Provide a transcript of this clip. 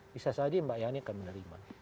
bisa saja mbak yani akan menerima